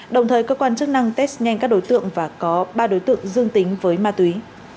đồng thời cơ quan chức năng test nhanh các đối tượng và có ba đối tượng dương tính với ma túy